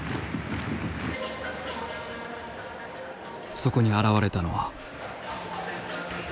そこに現れたのは。